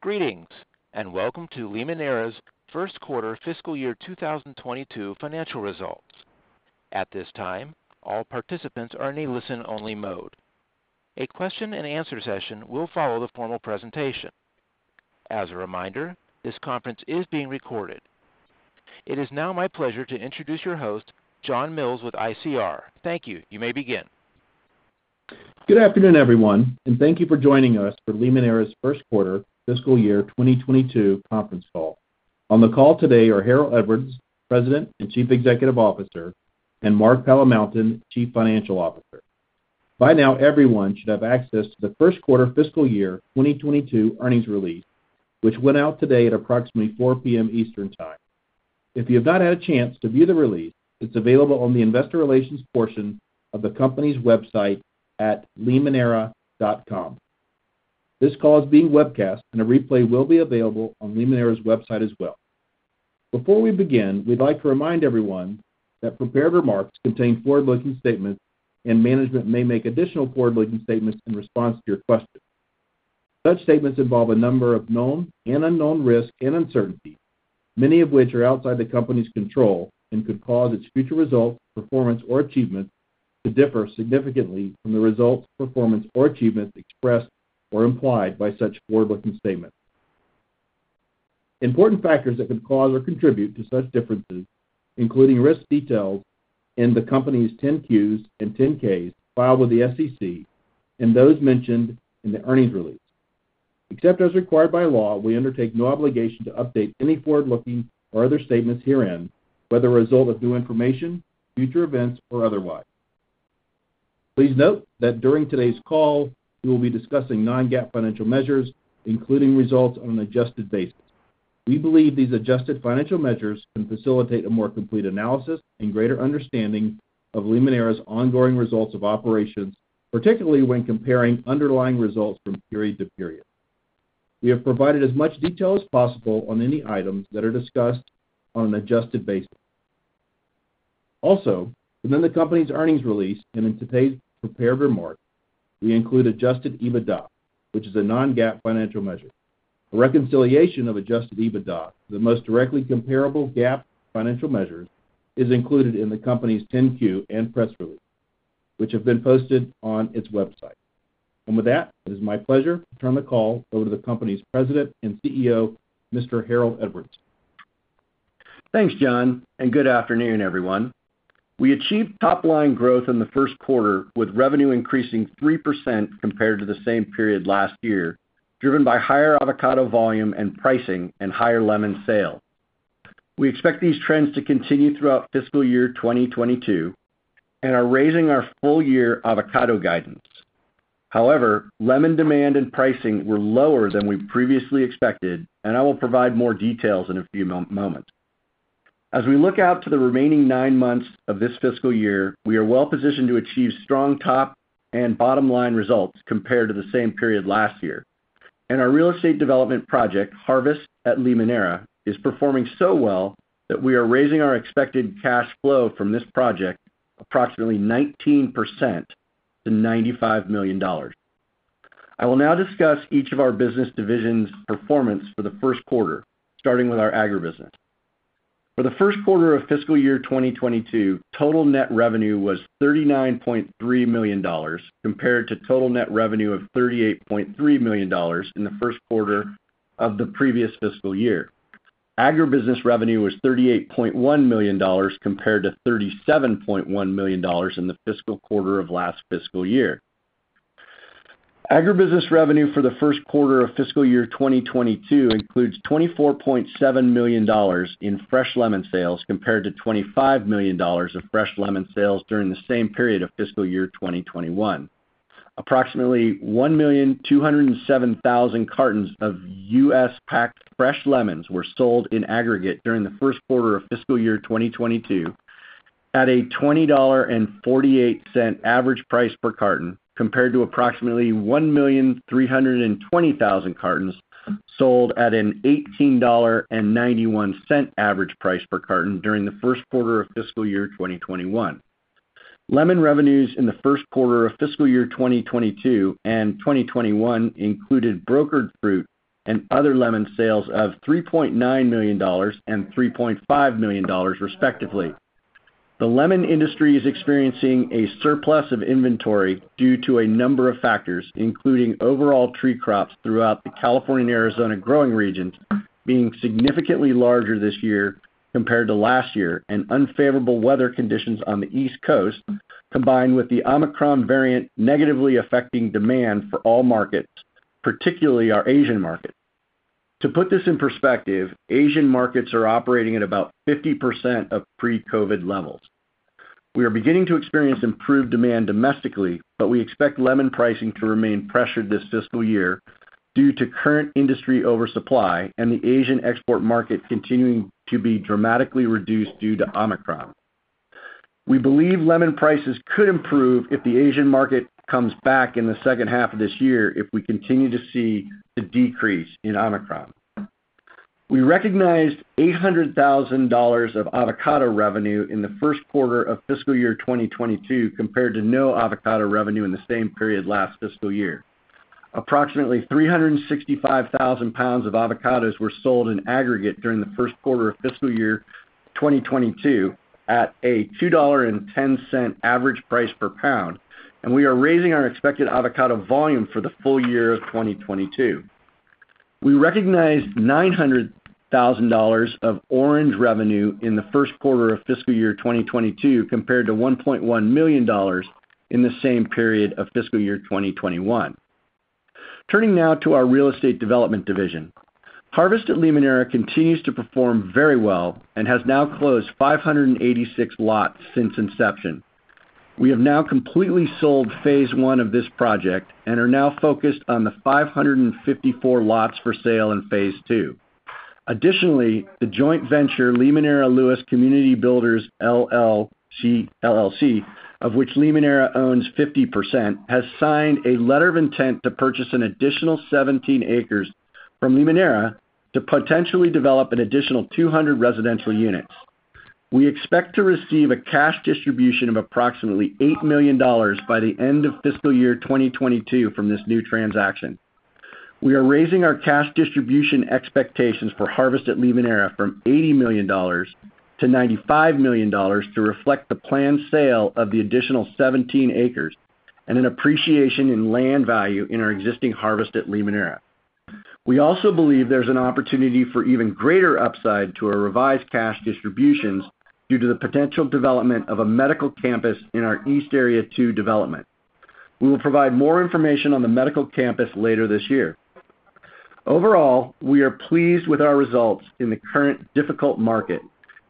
Greetings, and welcome to Limoneira's first quarter fiscal year 2022 financial results. At this time, all participants are in a listen-only mode. A question-and-answer session will follow the formal presentation. As a reminder, this conference is being recorded. It is now my pleasure to introduce your host, John Mills with ICR. Thank you. You may begin. Good afternoon, everyone, and thank you for joining us for Limoneira's first quarter fiscal year 2022 conference call. On the call today are Harold Edwards, President and Chief Executive Officer, and Mark Palamountain, Chief Financial Officer. By now, everyone should have access to the first quarter fiscal year 2022 earnings release, which went out today at approximately 4 P.M. Eastern Time. If you have not had a chance to view the release, it's available on the investor relations portion of the company's website at limoneira.com. This call is being webcast, and a replay will be available on Limoneira's website as well. Before we begin, we'd like to remind everyone that prepared remarks contain forward-looking statements, and management may make additional forward-looking statements in response to your questions. Such statements involve a number of known and unknown risks and uncertainties, many of which are outside the company's control and could cause its future results, performance, or achievements to differ significantly from the results, performance, or achievements expressed or implied by such forward-looking statements. Important factors that could cause or contribute to such differences, including risks detailed in the company's 10-Qs and 10-Ks filed with the SEC and those mentioned in the earnings release. Except as required by law, we undertake no obligation to update any forward-looking or other statements herein, whether as a result of new information, future events, or otherwise. Please note that during today's call, we will be discussing non-GAAP financial measures, including results on an adjusted basis. We believe these adjusted financial measures can facilitate a more complete analysis and greater understanding of Limoneira's ongoing results of operations, particularly when comparing underlying results from period to period. We have provided as much detail as possible on any items that are discussed on an adjusted basis. Also, within the company's earnings release and in today's prepared remarks, we include adjusted EBITDA, which is a non-GAAP financial measure. A reconciliation of adjusted EBITDA to the most directly comparable GAAP financial measure is included in the company's 10-Q and press release, which have been posted on its website. With that, it is my pleasure to turn the call over to the company's President and CEO, Mr. Harold Edwards. Thanks, John, and good afternoon, everyone. We achieved top-line growth in the first quarter with revenue increasing 3% compared to the same period last year, driven by higher avocado volume and pricing and higher lemon sales. We expect these trends to continue throughout fiscal year 2022 and are raising our full-year avocado guidance. However, lemon demand and pricing were lower than we previously expected, and I will provide more details in a few moments. As we look out to the remaining nine months of this fiscal year, we are well-positioned to achieve strong top and bottom-line results compared to the same period last year. Our real estate development project, Harvest at Limoneira, is performing so well that we are raising our expected cash flow from this project approximately 19%-$95 million. I will now discuss each of our business divisions' performance for the first quarter, starting with our Agribusiness. For the first quarter of fiscal year 2022, total net revenue was $39.3 million compared to total net revenue of $38.3 million in the first quarter of the previous fiscal year. Agribusiness revenue was $38.1 million compared to $37.1 million in the first quarter of last fiscal year. Agribusiness revenue for the first quarter of fiscal year 2022 includes $24.7 million in fresh lemon sales compared to $25 million of fresh lemon sales during the same period of fiscal year 2021. Approximately 1,207,000 cartons of U.S.-packed fresh lemons were sold in aggregate during the first quarter of fiscal year 2022 at a $20.48 average price per carton, compared to approximately 1,320,000 cartons sold at an $18.91 average price per carton during the first quarter of fiscal year 2021. Lemon revenues in the first quarter of fiscal year 2022 and 2021 included brokered fruit and other lemon sales of $3.9 million and $3.5 million, respectively. The lemon industry is experiencing a surplus of inventory due to a number of factors, including overall tree crops throughout the California and Arizona growing regions being significantly larger this year compared to last year, and unfavorable weather conditions on the East Coast, combined with the Omicron variant negatively affecting demand for all markets, particularly our Asian market. To put this in perspective, Asian markets are operating at about 50% of pre-COVID levels. We are beginning to experience improved demand domestically, but we expect lemon pricing to remain pressured this fiscal year due to current industry oversupply and the Asian export market continuing to be dramatically reduced due to Omicron. We believe lemon prices could improve if the Asian market comes back in the second half of this year if we continue to see the decrease in Omicron. We recognized $800,000 of avocado revenue in the first quarter of fiscal year 2022 compared to no avocado revenue in the same period last fiscal year. Approximately 365,000 lbs of avocados were sold in aggregate during the first quarter of fiscal year 2022 at a $2.10 average price per pound, and we are raising our expected avocado volume for the full year of 2022. We recognized $900,000 of orange revenue in the first quarter of fiscal year 2022 compared to $1.1 million in the same period of fiscal year 2021. Turning now to our real estate development division. Harvest at Limoneira continues to perform very well and has now closed 586 lots since inception. We have now completely sold phase one of this project and are now focused on the 554 lots for sale in phase two. Additionally, the joint venture, Limoneira Lewis Community Builders, LLC, of which Limoneira owns 50%, has signed a letter of intent to purchase an additional 17 acres from Limoneira to potentially develop an additional 200 residential units. We expect to receive a cash distribution of approximately $8 million by the end of fiscal year 2022 from this new transaction. We are raising our cash distribution expectations for Harvest at Limoneira from $80 million-$95 million to reflect the planned sale of the additional 17 acres and an appreciation in land value in our existing Harvest at Limoneira. We also believe there's an opportunity for even greater upside to our revised cash distributions due to the potential development of a medical campus in our East Area Two development. We will provide more information on the medical campus later this year. Overall, we are pleased with our results in the current difficult market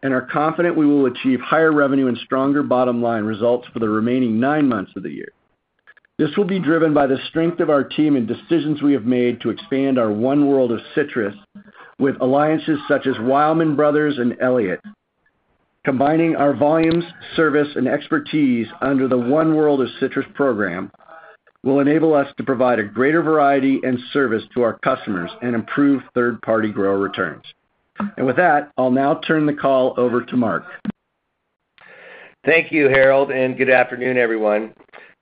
and are confident we will achieve higher revenue and stronger bottom-line results for the remaining nine months of the year. This will be driven by the strength of our team and decisions we have made to expand our One World of Citrus with alliances such as Wileman Bros. & Elliott. Combining our volumes, service, and expertise under the One World of Citrus program will enable us to provide a greater variety and service to our customers and improve third-party grower returns. With that, I'll now turn the call over to Mark. Thank you, Harold, and good afternoon, everyone.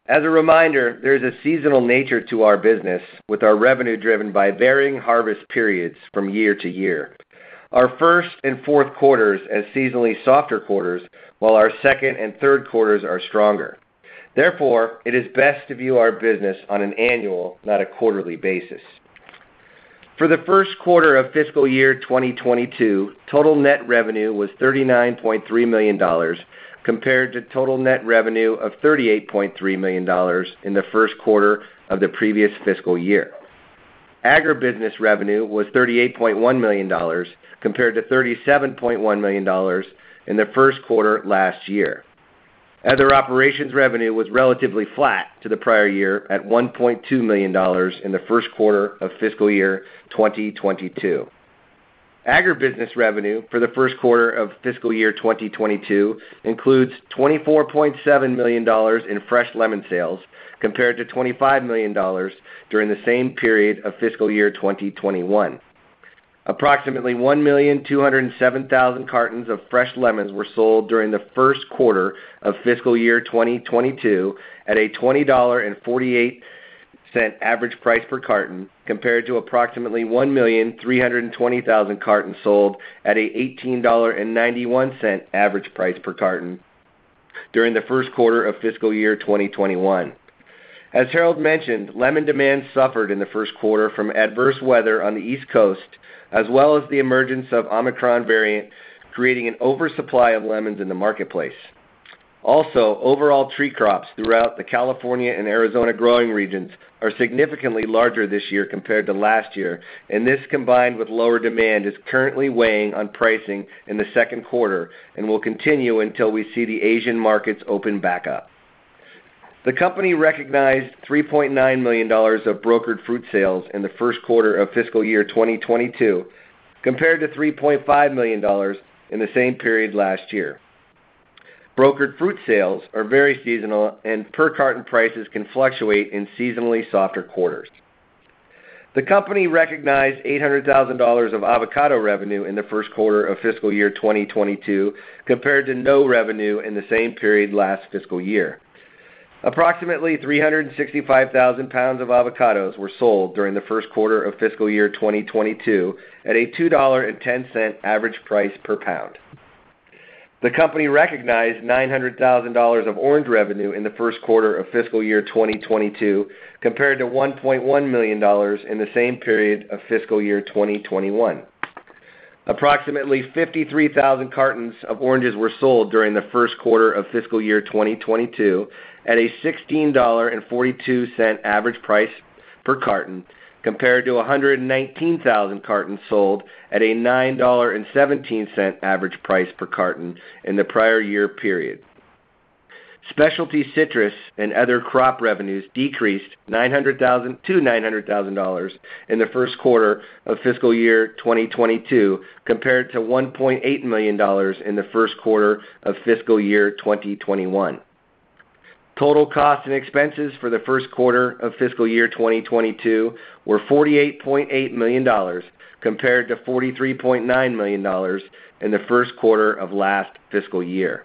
As a reminder, there is a seasonal nature to our business with our revenue driven by varying harvest periods from year to year. Our first and fourth quarters are seasonally softer quarters, while our second and third quarters are stronger. Therefore, it is best to view our business on an annual, not a quarterly basis. For the first quarter of fiscal year 2022, total net revenue was $39.3 million compared to total net revenue of $38.3 million in the first quarter of the previous fiscal year. Agribusiness revenue was $38.1 million compared to $37.1 million in the first quarter last year. Other operations revenue was relatively flat to the prior year at $1.2 million in the first quarter of fiscal year 2022. Agribusiness revenue for the first quarter of fiscal year 2022 includes $24.7 million in fresh lemon sales compared to $25 million during the same period of fiscal year 2021. Approximately 1,207,000 cartons of fresh lemons were sold during the first quarter of fiscal year 2022 at a $20.48 average price per carton, compared to approximately 1,320,000 cartons sold at a $18.91 average price per carton during the first quarter of fiscal year 2021. Harold mentioned, lemon demand suffered in the first quarter from adverse weather on the East Coast as well as the emergence of Omicron variant, creating an oversupply of lemons in the marketplace. Also, overall tree crops throughout the California and Arizona growing regions are significantly larger this year compared to last year, and this combined with lower demand is currently weighing on pricing in the second quarter and will continue until we see the Asian markets open back up. The company recognized $3.9 million of brokered fruit sales in the first quarter of fiscal year 2022, compared to $3.5 million in the same period last year. Brokered fruit sales are very seasonal, and per carton prices can fluctuate in seasonally softer quarters. The company recognized $800,000 of avocado revenue in the first quarter of fiscal year 2022, compared to no revenue in the same period last fiscal year. Approximately 365,000 lbs of avocados were sold during the first quarter of fiscal year 2022 at a $2.10 average price per pound. The company recognized $900,000 of orange revenue in the first quarter of fiscal year 2022, compared to $1.1 million in the same period of fiscal year 2021. Approximately 53,000 cartons of oranges were sold during the first quarter of fiscal year 2022 at a $16.42 average price per carton, compared to 119,000 cartons sold at a $9.17 average price per carton in the prior year period. Specialty citrus and other crop revenues decreased to $900,000 in the first quarter of fiscal year 2022, compared to $1.8 million in the first quarter of fiscal year 2021. Total costs and expenses for the first quarter of fiscal year 2022 were $48.8 million compared to $43.9 million in the first quarter of last fiscal year.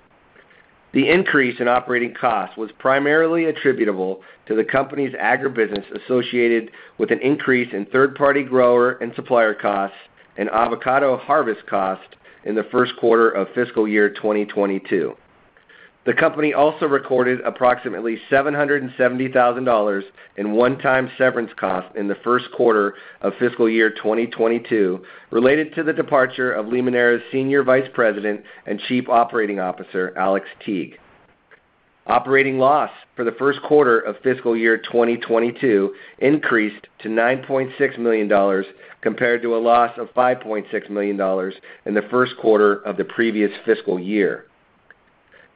The increase in operating costs was primarily attributable to the company's agribusiness associated with an increase in third-party grower and supplier costs and avocado harvest cost in the first quarter of fiscal year 2022. The company also recorded approximately $770,000 in one-time severance costs in the first quarter of fiscal year 2022 related to the departure of Limoneira's Senior Vice President and Chief Operating Officer, Alex Teague. Operating loss for the first quarter of fiscal year 2022 increased to $9.6 million compared to a loss of $5.6 million in the first quarter of the previous fiscal year.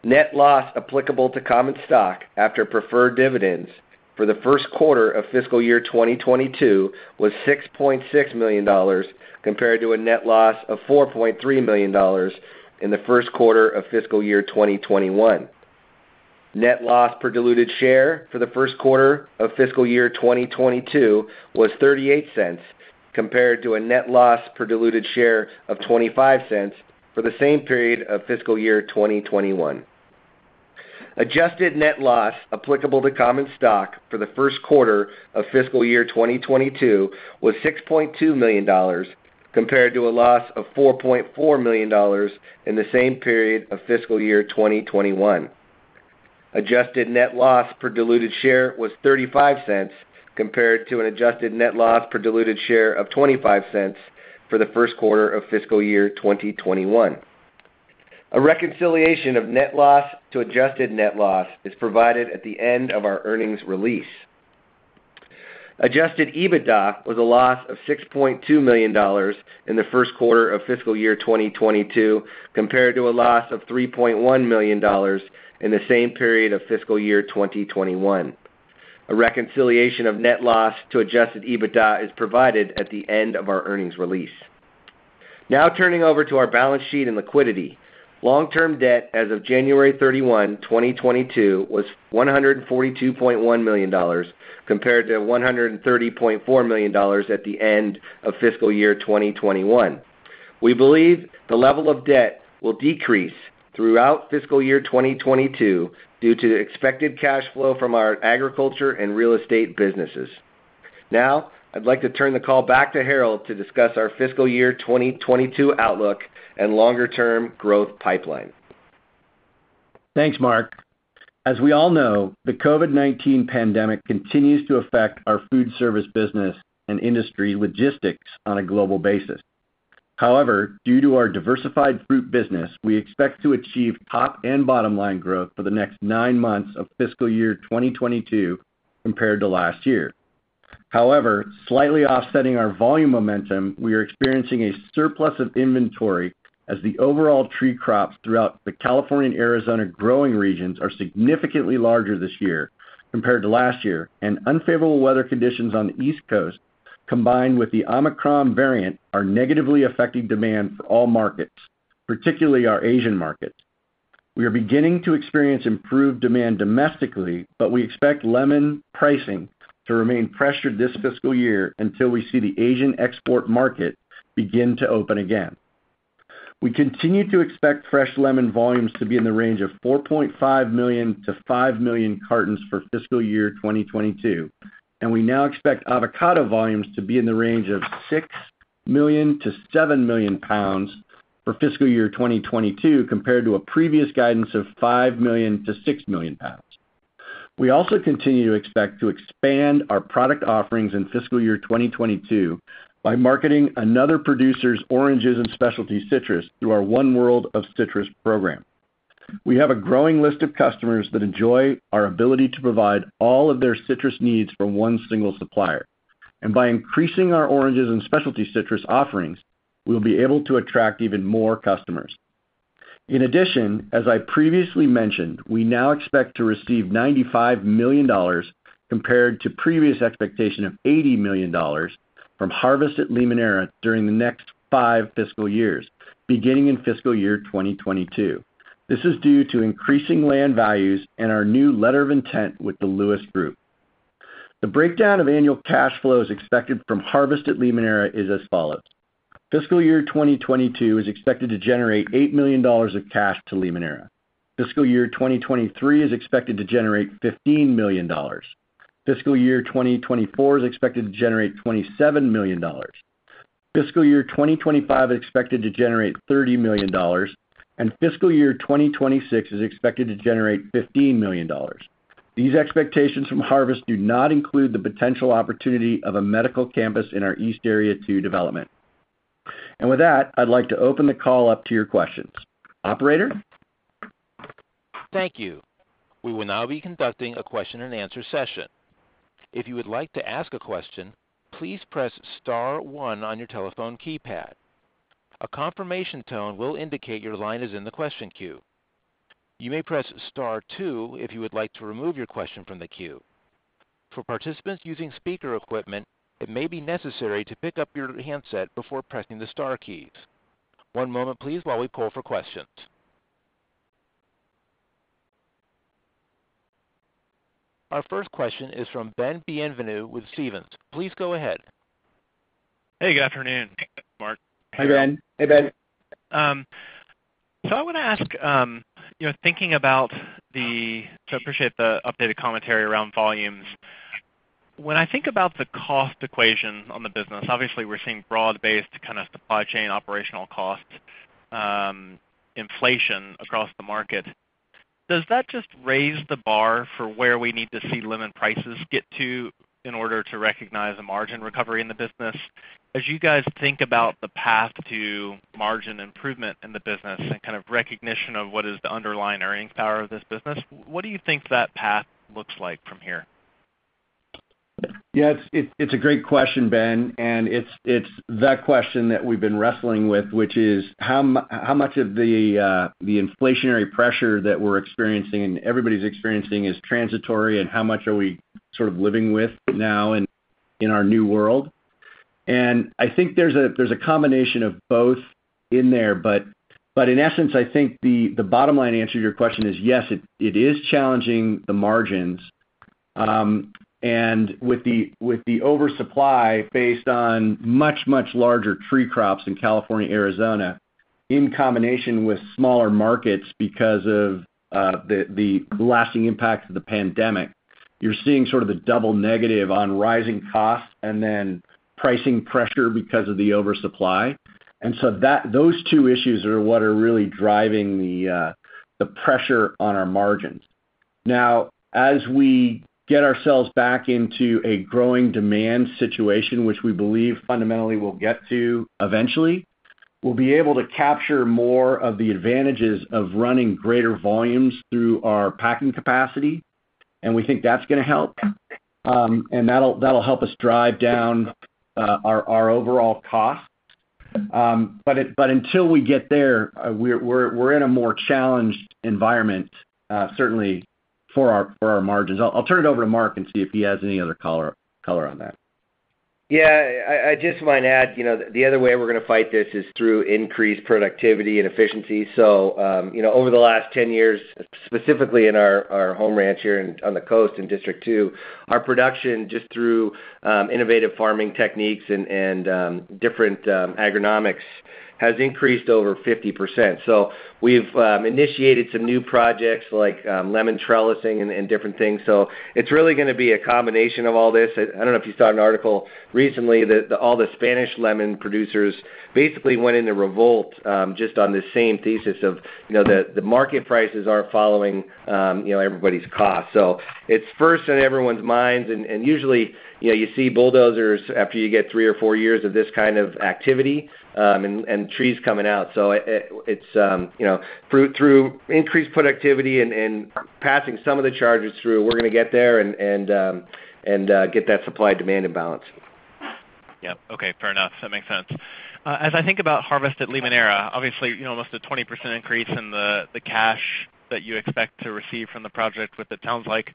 Net loss applicable to common stock after preferred dividends for the first quarter of fiscal year 2022 was $6.6 million compared to a net loss of $4.3 million in the first quarter of fiscal year 2021. Net loss per diluted share for the first quarter of fiscal year 2022 was $0.38 compared to a net loss per diluted share of $0.25 for the same period of fiscal year 2021. Adjusted net loss applicable to common stock for the first quarter of fiscal year 2022 was $6.2 million compared to a loss of $4.4 million in the same period of fiscal year 2021. Adjusted net loss per diluted share was $0.35 compared to an adjusted net loss per diluted share of $0.25 for the first quarter of fiscal year 2021. A reconciliation of net loss to adjusted net loss is provided at the end of our earnings release. Adjusted EBITDA was a loss of $6.2 million in the first quarter of fiscal year 2022 compared to a loss of $3.1 million in the same period of fiscal year 2021. A reconciliation of net loss to adjusted EBITDA is provided at the end of our earnings release. Now turning over to our balance sheet and liquidity. Long-term debt as of January 31, 2022 was $142.1 million compared to $130.4 million at the end of fiscal year 2021. We believe the level of debt will decrease throughout fiscal year 2022 due to the expected cash flow from our agriculture and real estate businesses. Now, I'd like to turn the call back to Harold to discuss our fiscal year 2022 outlook and longer-term growth pipeline. Thanks, Mark. As we all know, the COVID-19 pandemic continues to affect our food service business and industry logistics on a global basis. However, due to our diversified fruit business, we expect to achieve top and bottom line growth for the next nine months of fiscal year 2022 compared to last year. However, slightly offsetting our volume momentum, we are experiencing a surplus of inventory as the overall tree crops throughout the California and Arizona growing regions are significantly larger this year compared to last year, and unfavorable weather conditions on the East Coast, combined with the Omicron variant, are negatively affecting demand for all markets, particularly our Asian markets. We are beginning to experience improved demand domestically, but we expect lemon pricing to remain pressured this fiscal year until we see the Asian export market begin to open again. We continue to expect fresh lemon volumes to be in the range of 4.5 million-five million cartons for fiscal year 2022, and we now expect avocado volumes to be in the range of six million-seven million lbs for fiscal year 2022 compared to a previous guidance of five million-six million lbs. We also continue to expect to expand our product offerings in fiscal year 2022 by marketing another producer's oranges and specialty citrus through our One World of Citrus program. We have a growing list of customers that enjoy our ability to provide all of their citrus needs from one single supplier. By increasing our oranges and specialty citrus offerings, we'll be able to attract even more customers. In addition, as I previously mentioned, we now expect to receive $95 million compared to previous expectation of $80 million from Harvest at Limoneira during the next five fiscal years, beginning in fiscal year 2022. This is due to increasing land values and our new letter of intent with the Lewis Group. The breakdown of annual cash flows expected from Harvest at Limoneira is as follows. Fiscal year 2022 is expected to generate $8 million of cash to Limoneira. Fiscal year 2023 is expected to generate $15 million. Fiscal year 2024 is expected to generate $27 million. Fiscal year 2025 is expected to generate $30 million, and fiscal year 2026 is expected to generate $15 million. These expectations from Harvest do not include the potential opportunity of a medical campus in our East Area Two development. With that, I'd like to open the call up to your questions. Operator? Thank you. We will now be conducting a question and answer session. If you would like to ask a question, please press star one on your telephone keypad. A confirmation tone will indicate your line is in the question queue. You may press star two if you would like to remove your question from the queue. For participants using speaker equipment, it may be necessary to pick up your handset before pressing the star keys. One moment please while we poll for questions. Our first question is from Ben Bienvenu with Stephens. Please go ahead. Hey, good afternoon, Mark. Hi, Ben. Hey, Ben. I want to ask, you know, appreciate the updated commentary around volumes. When I think about the cost equation on the business, obviously we're seeing broad-based kind of supply chain operational costs, inflation across the market. Does that just raise the bar for where we need to see lemon prices get to in order to recognize a margin recovery in the business? As you guys think about the path to margin improvement in the business and kind of recognition of what is the underlying earning power of this business, what do you think that path looks like from here? Yes, it's a great question, Ben, and it's that question that we've been wrestling with, which is how much of the inflationary pressure that we're experiencing and everybody's experiencing is transitory, and how much are we sort of living with now in our new world? I think there's a combination of both in there, but in essence, I think the bottom line answer to your question is, yes, it is challenging the margins. With the oversupply based on much larger tree crops in California, Arizona, in combination with smaller markets because of the lasting impact of the pandemic, you're seeing sort of the double negative on rising costs and then pricing pressure because of the oversupply. Those two issues are what are really driving the pressure on our margins. Now, as we get ourselves back into a growing demand situation, which we believe fundamentally we'll get to eventually, we'll be able to capture more of the advantages of running greater volumes through our packing capacity, and we think that's gonna help. And that'll help us drive down our overall costs. But until we get there, we're in a more challenged environment, certainly for our margins. I'll turn it over to Mark and see if he has any other color on that. Yeah. I just might add, you know, the other way we're gonna fight this is through increased productivity and efficiency. You know, over the last 10 years, specifically in our home ranch here in on the coast in District Two, our production just through innovative farming techniques and different agronomics has increased over 50%. We've initiated some new projects like lemon trellising and different things. It's really gonna be a combination of all this. I don't know if you saw an article recently that all the Spanish lemon producers basically went into revolt just on the same thesis of, you know, the market prices aren't following everybody's costs. It's first in everyone's minds. Usually, you know, you see bulldozers after you get three or four years of this kind of activity, and trees coming out. It's you know, through increased productivity and passing some of the charges through, we're gonna get there and get that supply demand in balance. Yeah. Okay. Fair enough. That makes sense. As I think about Harvest at Limoneira, obviously, almost a 20% increase in the cash that you expect to receive from the project, it sounds like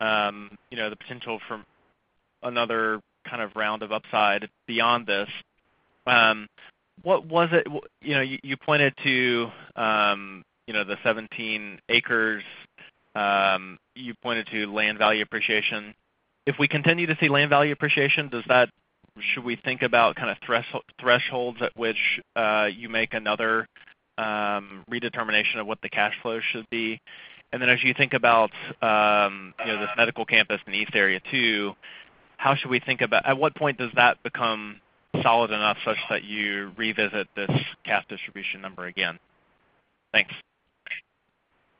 the potential for another kind of round of upside beyond this. What was it. You pointed to the 17 acres. You pointed to land value appreciation. If we continue to see land value appreciation, does that should we think about kind of thresholds at which you make another redetermination of what the cash flow should be? Then as you think about this medical campus in East Area, too, how should we think about. At what point does that become solid enough such that you revisit this cash distribution number again? Thanks.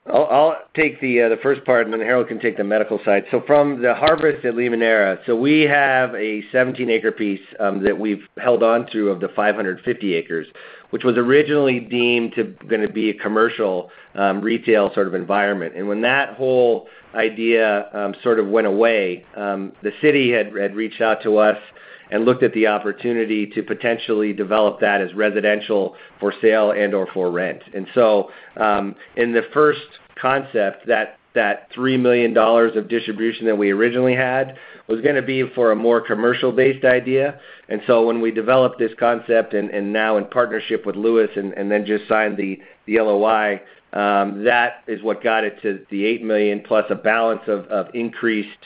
I'll take the first part, and then Harold can take the medical side. From the Harvest at Limoneira, we have a 17-acre piece that we've held on to of the 550 acres, which was originally deemed to gonna be a commercial retail sort of environment. When that whole idea sort of went away, the city had reached out to us and looked at the opportunity to potentially develop that as residential for sale and/or for rent. In the first concept, that $3 million of distribution that we originally had was gonna be for a more commercial-based idea. When we developed this concept and now in partnership with Lewis and then just signed the LOI, that is what got it to the eight million plus a balance of increased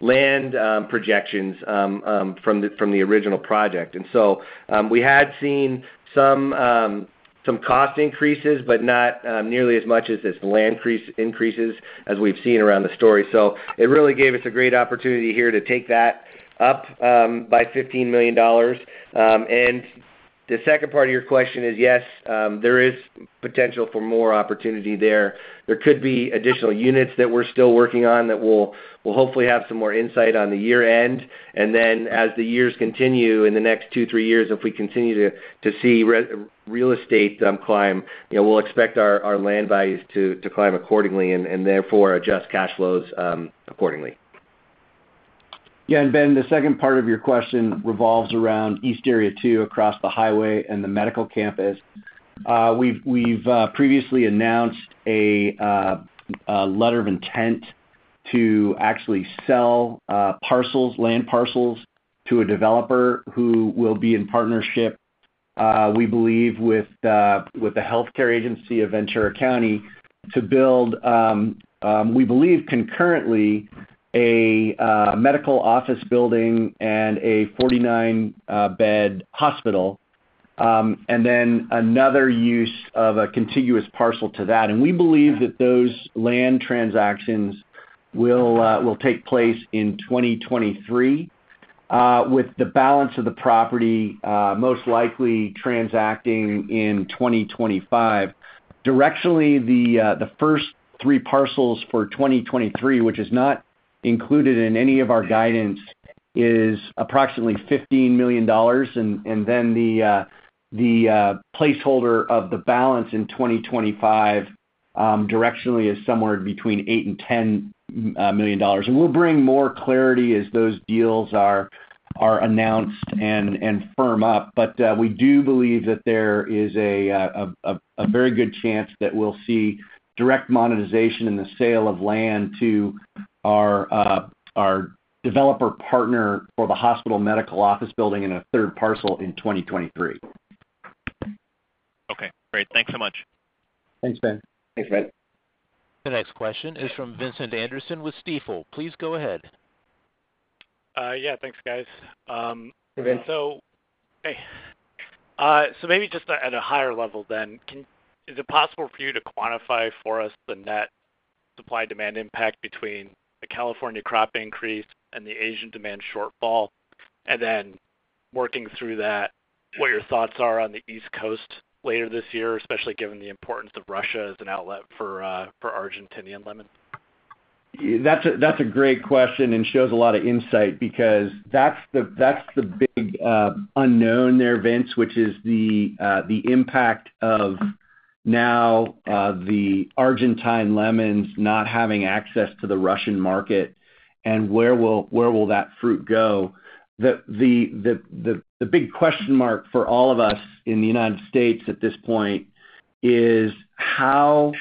land projections from the original project. We had seen some cost increases, but not nearly as much as this land increases as we've seen around the story. It really gave us a great opportunity here to take that up by $15 million. The second part of your question is, yes, there is potential for more opportunity there. There could be additional units that we're still working on that we'll hopefully have some more insight on the year end. Then as the years continue in the next two, three years, if we continue to see real estate climb, you know, we'll expect our land values to climb accordingly and therefore adjust cash flows accordingly. Yeah. Ben, the second part of your question revolves around East Area Two across the highway and the medical campus. We've previously announced a letter of intent to actually sell parcels, land parcels to a developer who will be in partnership, we believe with the Ventura County Health Care Agency to build, we believe concurrently a medical office building and a 49-bed hospital, and then another use of a contiguous parcel to that. We believe that those land transactions will take place in 2023, with the balance of the property most likely transacting in 2025. Directionally, the first three parcels for 2023, which is not included in any of our guidance, is approximately $15 million. Then the placeholder of the balance in 2025 directionally is somewhere between $8 million and $10 million. We'll bring more clarity as those deals are announced and firm up. We do believe that there is a very good chance that we'll see direct monetization in the sale of land to our developer partner for the hospital medical office building in a third parcel in 2023. Okay. Great. Thanks so much. Thanks, Ben. Thanks, Ben. The next question is from Vincent Anderson with Stifel. Please go ahead. Yeah, thanks, guys. Hey, Vince. Maybe just at a higher level then, is it possible for you to quantify for us the net supply demand impact between the California crop increase and the Asian demand shortfall? Working through that, what your thoughts are on the East Coast later this year, especially given the importance of Russia as an outlet for Argentinian lemon? That's a great question, and shows a lot of insight because that's the big unknown there, Vance, which is the impact of the Argentine lemons not having access to the Russian market, and where will that fruit go? The big question mark for all of us in the United States at this point is how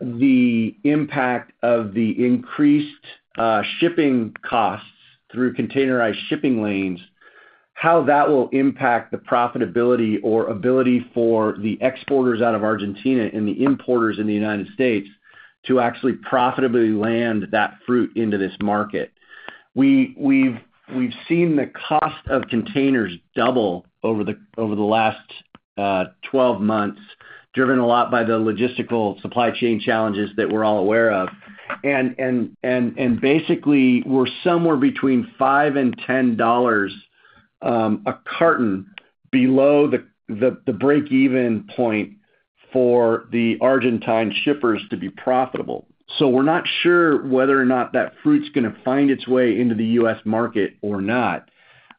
the impact of the increased shipping costs through containerized shipping lanes will impact the profitability or ability for the exporters out of Argentina and the importers in the United States to actually profitably land that fruit into this market. We've seen the cost of containers double over the last 12 months, driven a lot by the logistical supply chain challenges that we're all aware of. Basically, we're somewhere between $5 and $10 a carton below the break-even point for the Argentine shippers to be profitable. We're not sure whether or not that fruit's gonna find its way into the U.S. market or not.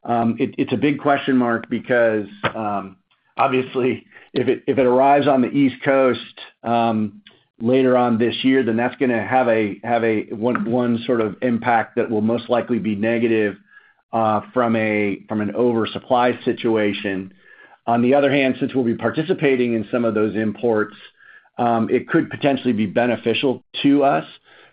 It's a big question mark because, obviously if it arrives on the East Coast later on this year, then that's gonna have a one-off sort of impact that will most likely be negative from an oversupply situation. On the other hand, since we'll be participating in some of those imports, it could potentially be beneficial to us.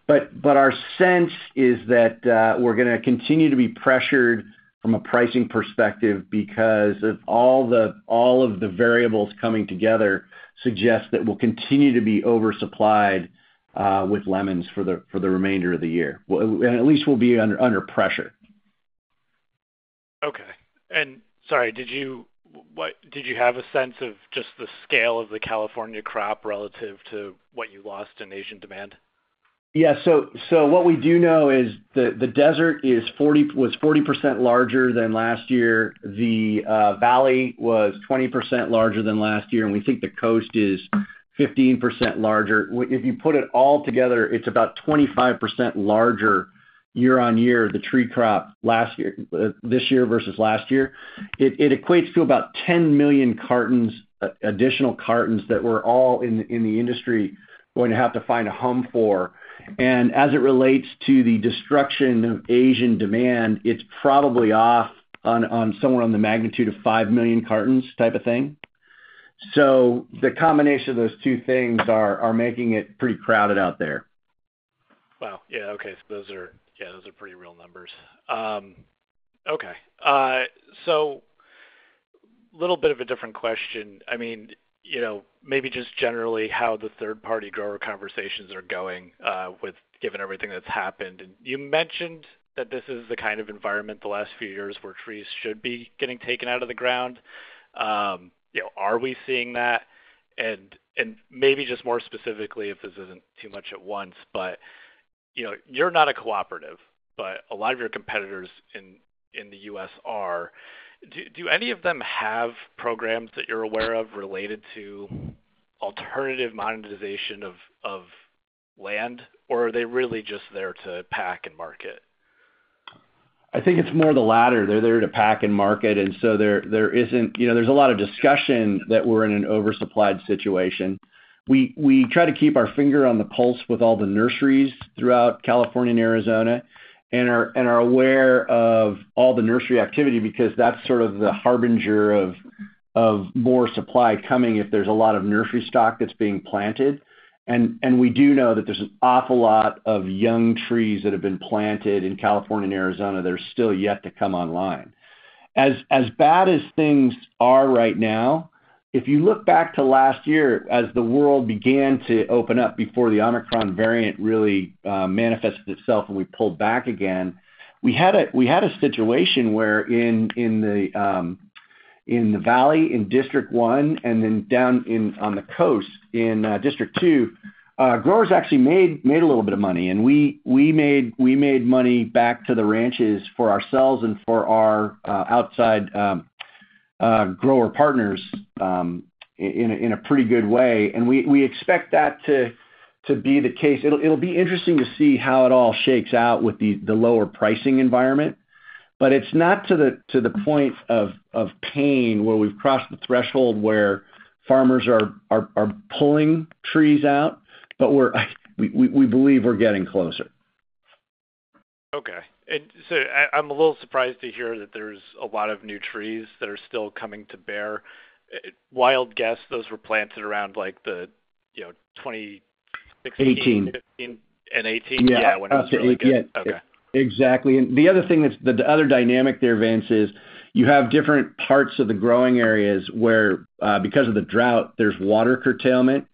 Our sense is that we're gonna continue to be pressured from a pricing perspective because all of the variables coming together suggest that we'll continue to be oversupplied with lemons for the remainder of the year. At least we'll be under pressure. Okay. Sorry, did you have a sense of just the scale of the California crop relative to what you lost in Asian demand? Yeah. What we do know is the desert was 40% larger than last year. The valley was 20% larger than last year, and we think the coast is 15% larger. If you put it all together, it's about 25% larger year-on-year, the tree crop this year versus last year. It equates to about 10 million additional cartons that we're all in the industry going to have to find a home for. As it relates to the destruction of Asian demand, it's probably off on somewhere on the magnitude of five million cartons type of thing. The combination of those two things are making it pretty crowded out there. Wow. Yeah, okay. Those are pretty real numbers. Okay. So little bit of a different question. I mean, you know, maybe just generally how the third party grower conversations are going, with given everything that's happened. You mentioned that this is the kind of environment the last few years where trees should be getting taken out of the ground. You know, are we seeing that? And maybe just more specifically, if this isn't too much at once, but, you know, you're not a cooperative, but a lot of your competitors in the U.S. are. Do any of them have programs that you're aware of related to alternative monetization of land, or are they really just there to pack and market? I think it's more the latter. They're there to pack and market, and so there isn't. You know, there's a lot of discussion that we're in an oversupplied situation. We try to keep our finger on the pulse with all the nurseries throughout California and Arizona, and are aware of all the nursery activity because that's sort of the harbinger of more supply coming if there's a lot of nursery stock that's being planted. We do know that there's an awful lot of young trees that have been planted in California and Arizona that are still yet to come online. As bad as things are right now, if you look back to last year as the world began to open up before the Omicron variant really manifested itself and we pulled back again, we had a situation where in the valley in District One and then down on the coast in District Two, growers actually made a little bit of money. We made money back to the ranches for ourselves and for our outside grower partners in a pretty good way. We expect that to be the case. It'll be interesting to see how it all shakes out with the lower pricing environment. It's not to the point of pain where we've crossed the threshold where farmers are pulling trees out, but we believe we're getting closer. Okay. I'm a little surprised to hear that there's a lot of new trees that are still coming to bear. Wild guess, those were planted around like, you know, 2016. 18. 18. Yeah. Yeah, when it was really good. Okay. Exactly. The other thing that's the other dynamic there, Vince, is you have different parts of the growing areas where, because of the drought, there's water curtailment.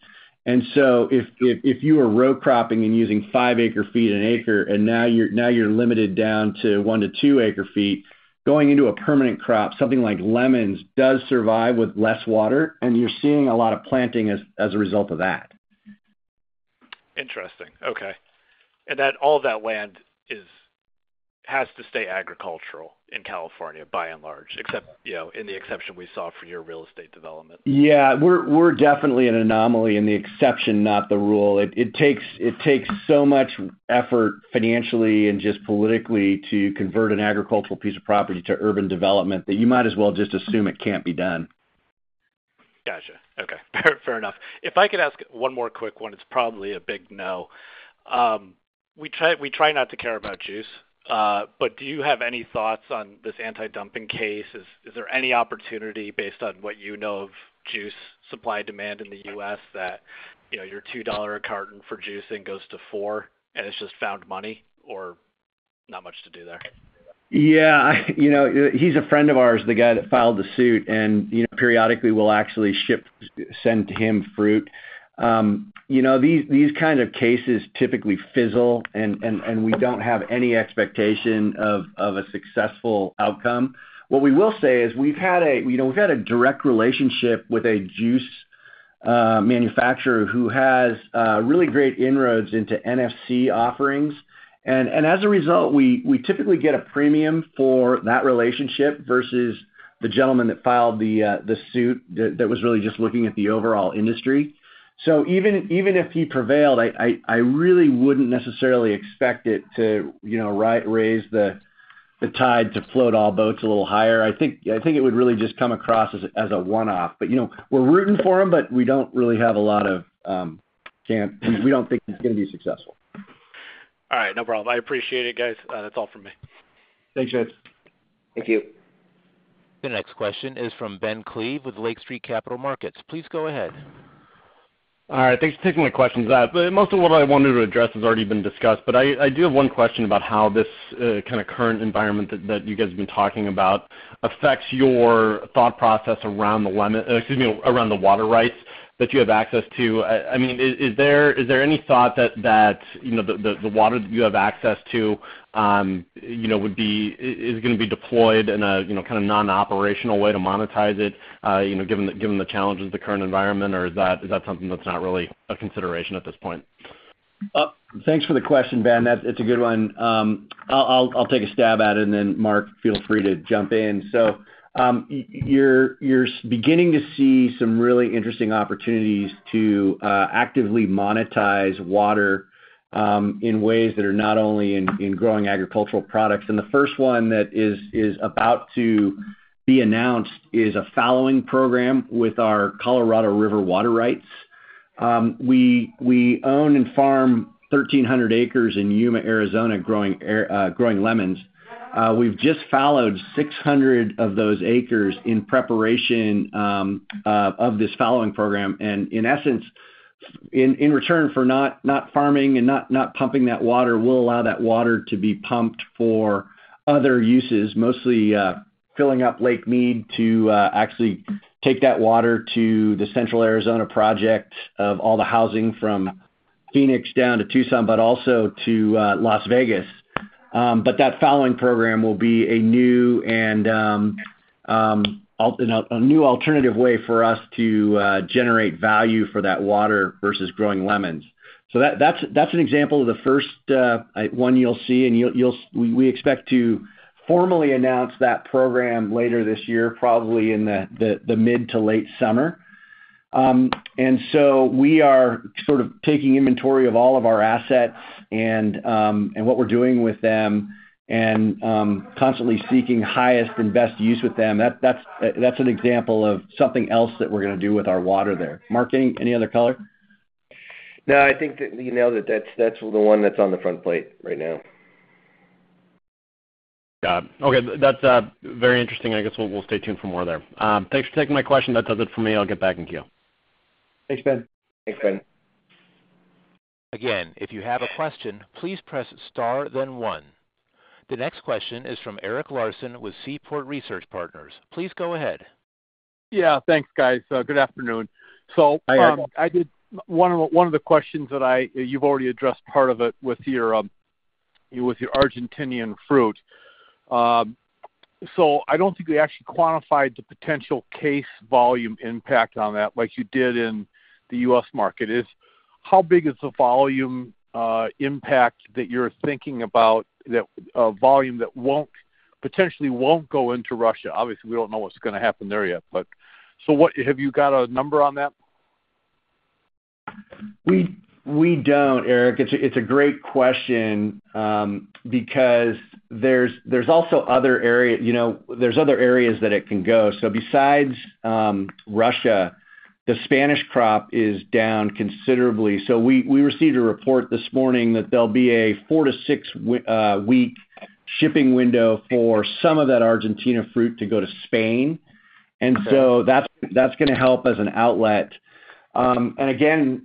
So if you were row cropping and using five acre-feet an acre and now you're limited down to one to two acre-feet, going into a permanent crop, something like lemons does survive with less water, and you're seeing a lot of planting as a result of that. Interesting. Okay. That all that land has to stay agricultural in California by and large, except, you know, in the exception we saw for your real estate development. Yeah. We're definitely an anomaly in the exception, not the rule. It takes so much effort financially and just politically to convert an agricultural piece of property to urban development that you might as well just assume it can't be done. Gotcha. Okay. Fair enough. If I could ask one more quick one. It's probably a big no. We try not to care about juice, but do you have any thoughts on this anti-dumping case? Is there any opportunity based on what you know of juice supply and demand in the U.S. that, you know, your $2 a carton for juicing goes to $4, and it's just found money or not much to do there? Yeah. You know, he's a friend of ours, the guy that filed the suit, and, you know, periodically we'll actually send him fruit. You know, these kind of cases typically fizzle, and we don't have any expectation of a successful outcome. What we will say is we've had a direct relationship with a juice manufacturer who has really great inroads into NFC offerings. As a result, we typically get a premium for that relationship versus the gentleman that filed the suit that was really just looking at the overall industry. Even if he prevailed, I really wouldn't necessarily expect it to, you know, raise the tide to float all boats a little higher. I think it would really just come across as a one-off. You know, we're rooting for him, but we don't think he's gonna be successful. All right. No problem. I appreciate it, guys. That's all for me. Thanks, Vince. Thank you. The next question is from Ben Klieve with Lake Street Capital Markets. Please go ahead. All right. Thanks for taking my questions. Most of what I wanted to address has already been discussed, but I do have one question about how this kind of current environment that you guys have been talking about affects your thought process around the water rights that you have access to. I mean, is there any thought that, you know, the water you have access to, you know, is gonna be deployed in a kind of non-operational way to monetize it, you know, given the challenges of the current environment? Or is that something that's not really a consideration at this point? Thanks for the question, Ben. It's a good one. I'll take a stab at it and then Mark, feel free to jump in. You're beginning to see some really interesting opportunities to actively monetize water in ways that are not only in growing agricultural products. The first one that is about to be announced is a fallowing program with our Colorado River water rights. We own and farm 1,300 acres in Yuma, Arizona growing lemons. We've just fallowed 600 of those acres in preparation of this fallowing program. In essence, in return for not farming and not pumping that water, we'll allow that water to be pumped for other uses, mostly filling up Lake Mead to actually take that water to the Central Arizona Project of all the housing from Phoenix down to Tucson, but also to Las Vegas. That fallowing program will be a new alternative way for us to generate value for that water versus growing lemons. That's an example of the first one you'll see. We expect to formally announce that program later this year, probably in the mid to late summer. We are sort of taking inventory of all of our assets and what we're doing with them and constantly seeking highest and best use with them. That's an example of something else that we're gonna do with our water there. Mark, any other color? No, I think that, you know, that's the one that's on the front plate right now. Yeah. Okay, that's very interesting, and I guess we'll stay tuned for more there. Thanks for taking my question. That does it for me. I'll get back in queue. Thanks, Ben. Thanks, Ben. Again, if you have a question, please press Star then One. The next question is from Eric Larson with Seaport Research Partners. Please go ahead. Yeah, thanks, guys. Good afternoon. Hi, Eric. One of the questions that you've already addressed part of it with your Argentine fruit. I don't think we actually quantified the potential case volume impact on that like you did in the U.S. market, is how big is the volume impact that you're thinking about that volume that potentially won't go into Russia? Obviously, we don't know what's gonna happen there yet. Have you got a number on that? We don't, Eric. It's a great question, because there's also other area, you know, there's other areas that it can go. Besides Russia, the Spanish crop is down considerably. We received a report this morning that there'll be a four- to six-week shipping window for some of that Argentina fruit to go to Spain. That's gonna help as an outlet. Again,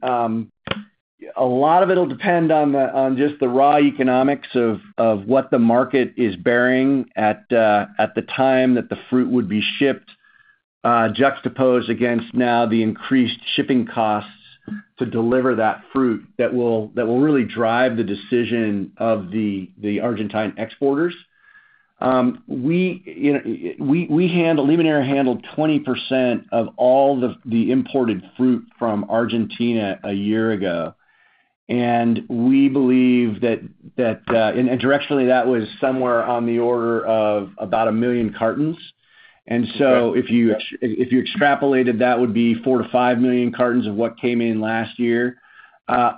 a lot of it'll depend on just the raw economics of what the market is bearing at the time that the fruit would be shipped, juxtaposed against now the increased shipping costs to deliver that fruit that will really drive the decision of the Argentine exporters. You know, Limoneira handled 20% of all the imported fruit from Argentina a year ago. We believe that directionally that was somewhere on the order of about one million cartons. Okay. If you extrapolated, that would be four to five million cartons of what came in last year.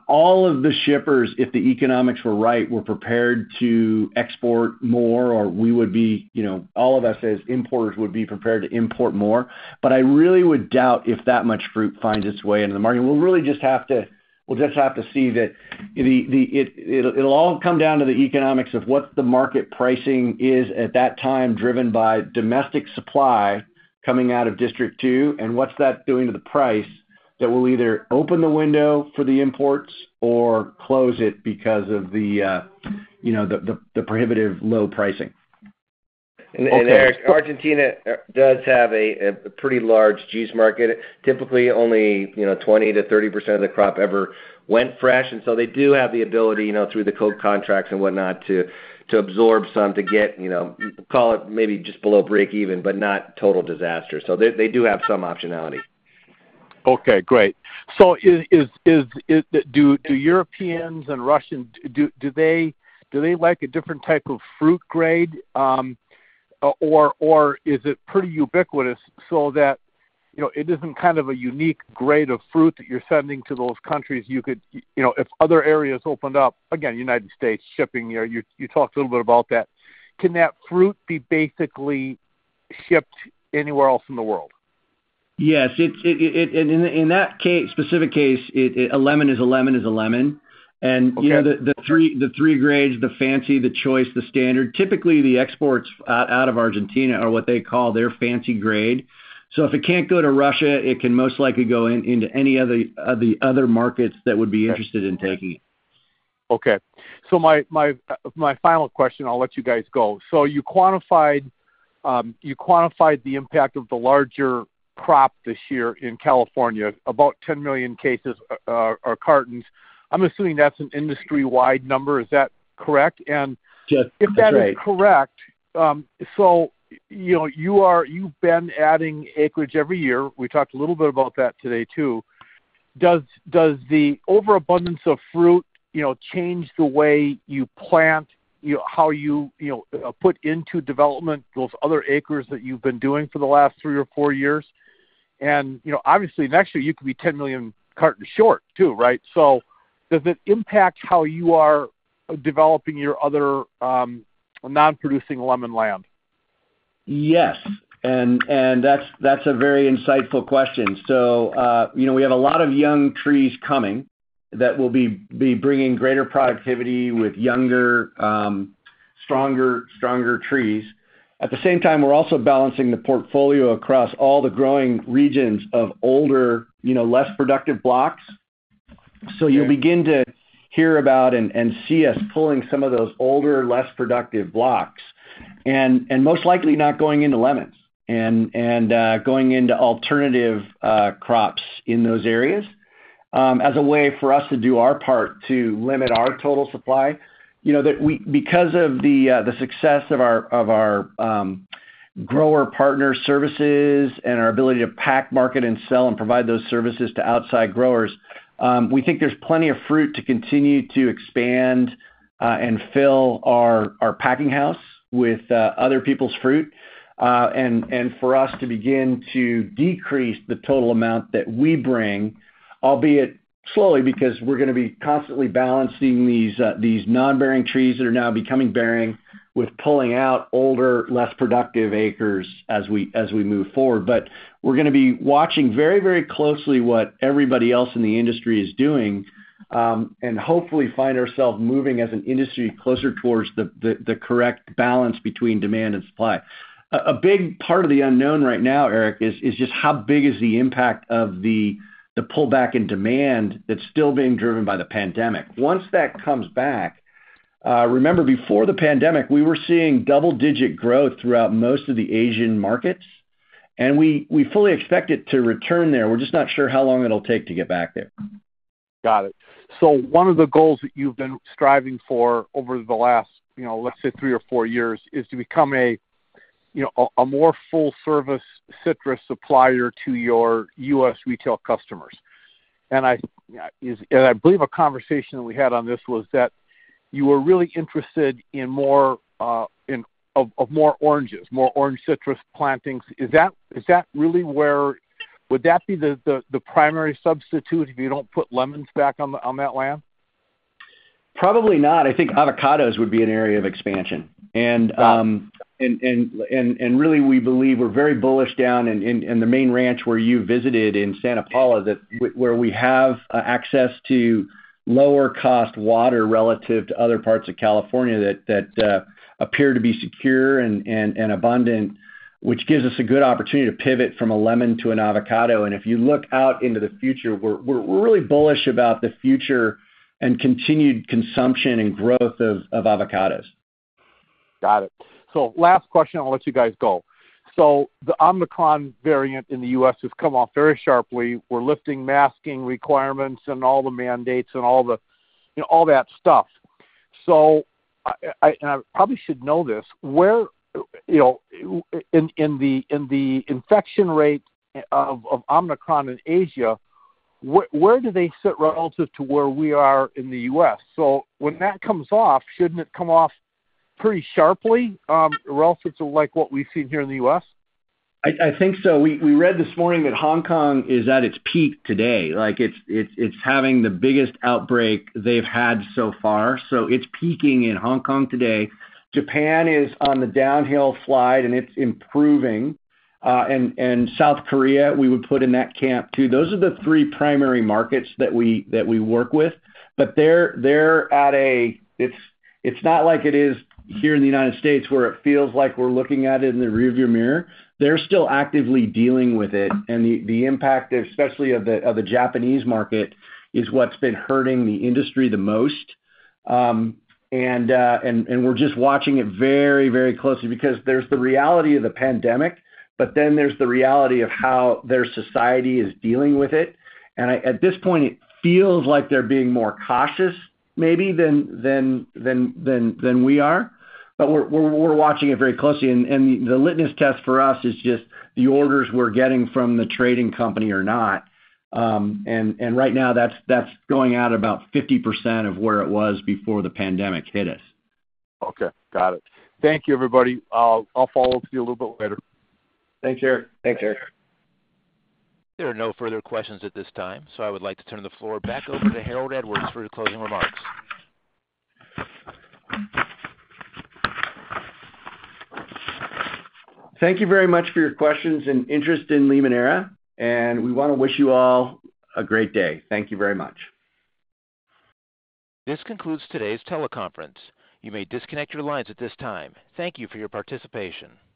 All of the shippers, if the economics were right, were prepared to export more, or we would be, you know, all of us as importers would be prepared to import more. I really would doubt if that much fruit finds its way into the market. We'll really just have to see that the. It'll all come down to the economics of what the market pricing is at that time, driven by domestic supply coming out of District Two, and what's that doing to the price that will either open the window for the imports or close it because of the, you know, the, the prohibitive low pricing. Eric, Argentina does have a pretty large juice market. Typically, only you know 20%-30% of the crop ever went fresh, and they do have the ability, you know, through the coke contracts and whatnot, to absorb some to get, you know, call it maybe just below break even, but not total disaster. They do have some optionality. Okay, great. Do Europeans and Russians like a different type of fruit grade, or is it pretty ubiquitous so that, you know, it isn't kind of a unique grade of fruit that you're sending to those countries? You could, you know, if other areas opened up, again, United States shipping, you know, you talked a little bit about that. Can that fruit be basically shipped anywhere else in the world? Yes. In that specific case, a lemon is a lemon. Okay. You know, the three grades, the fancy, the choice, the standard, typically, the exports out of Argentina are what they call their fancy grade. If it can't go to Russia, it can most likely go into any other of the other markets that would be interested in taking it. Okay. My final question, I'll let you guys go. You quantified the impact of the larger crop this year in California, about 10 million cases or cartons. I'm assuming that's an industry-wide number. Is that correct? Yes, that's right. If that is correct, you know, you've been adding acreage every year. We talked a little bit about that today, too. Does the overabundance of fruit, you know, change the way you plant, you know, how you know, put into development those other acres that you've been doing for the last three or four years? You know, obviously, next year you could be 10 million cartons short too, right? Does it impact how you are developing your other, non-producing lemon land? Yes. That's a very insightful question. You know, we have a lot of young trees coming that will be bringing greater productivity with younger, stronger trees. At the same time, we're also balancing the portfolio across all the growing regions of older, you know, less productive blocks. You'll begin to hear about and see us pulling some of those older, less productive blocks and most likely not going into lemons and going into alternative crops in those areas, as a way for us to do our part to limit our total supply. Because of the success of our grower partner services and our ability to pack, market, and sell and provide those services to outside growers, we think there's plenty of fruit to continue to expand and fill our packing house with other people's fruit, and for us to begin to decrease the total amount that we bring, albeit slowly because we're gonna be constantly balancing these non-bearing trees that are now becoming bearing with pulling out older, less productive acres as we move forward. We're gonna be watching very, very closely what everybody else in the industry is doing, and hopefully find ourselves moving as an industry closer towards the correct balance between demand and supply. A big part of the unknown right now, Eric, is just how big is the impact of the pullback in demand that's still being driven by the pandemic. Once that comes back, remember, before the pandemic, we were seeing double-digit growth throughout most of the Asian markets, and we fully expect it to return there. We're just not sure how long it'll take to get back there. Got it. One of the goals that you've been striving for over the last, you know, let's say three or four years is to become a, you know, a more full-service citrus supplier to your U.S. retail customers. I believe a conversation that we had on this was that you were really interested in more of more oranges, more orange citrus plantings. Is that really where? Would that be the primary substitute if you don't put lemons back on that land? Probably not. I think avocados would be an area of expansion. Really, we believe we're very bullish down in the main ranch where you visited in Santa Paula where we have access to lower cost water relative to other parts of California that appear to be secure and abundant, which gives us a good opportunity to pivot from a lemon to an avocado. If you look out into the future, we're really bullish about the future and continued consumption and growth of avocados. Got it. Last question, I'll let you guys go. The Omicron variant in the U.S. has come off very sharply. We're lifting masking requirements and all the mandates and all the, you know, all that stuff. And I probably should know this. Where, you know, in the infection rate of Omicron in Asia, where do they sit relative to where we are in the U.S.? When that comes off, shouldn't it come off pretty sharply, relative to like what we've seen here in the U.S.? I think so. We read this morning that Hong Kong is at its peak today. Like, it's having the biggest outbreak they've had so far. So it's peaking in Hong Kong today. Japan is on the downhill slide, and it's improving. South Korea, we would put in that camp too. Those are the three primary markets that we work with. But they're not like it is here in the United States, where it feels like we're looking at it in the rearview mirror. They're still actively dealing with it. The impact, especially of the Japanese market, is what's been hurting the industry the most. We're just watching it very, very closely because there's the reality of the pandemic, but then there's the reality of how their society is dealing with it. At this point, it feels like they're being more cautious maybe than we are, but we're watching it very closely. The litmus test for us is just the orders we're getting from the trading company or not. Right now that's going at about 50% of where it was before the pandemic hit us. Okay. Got it. Thank you, everybody. I'll follow up with you a little bit later. Thanks, Eric. Thanks, Eric. There are no further questions at this time, so I would like to turn the floor back over to Harold Edwards for your closing remarks. Thank you very much for your questions and interest in Limoneira, and we wanna wish you all a great day. Thank you very much. This concludes today's teleconference. You may disconnect your lines at this time. Thank you for your participation.